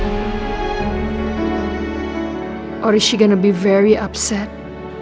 atau dia akan sangat sedih